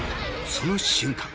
その瞬間